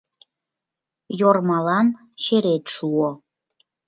Йормалан черет шуо.